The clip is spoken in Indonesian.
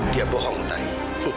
dia bohong utari